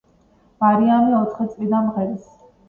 მარიამი ოთხი წლიდან მღერის.